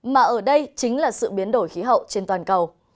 mà ở đây chính là sự biến đổi khí hậu trên toàn cầu